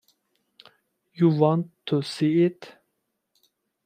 You want to see it.